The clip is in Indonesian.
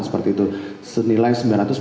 seperti itu senilai